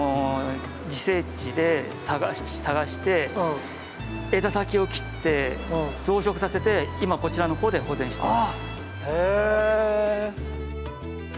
自生地で探して枝先を切って増殖させて今こちらの方で保全しています。